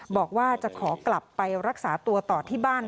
บอกว่าจะขอกลับไปรักษาตัวต่อที่บ้าน